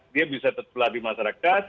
dia bisa terpelah di masyarakat